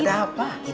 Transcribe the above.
bu kenapa sih